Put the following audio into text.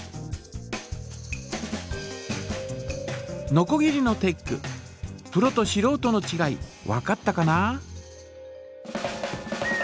のこぎりのテックプロとしろうとのちがいわかったかな？